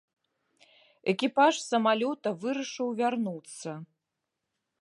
Экіпаж самалёта вырашыў вярнуцца.